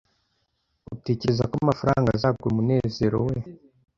Utekereza ko amafaranga azagura umunezero we?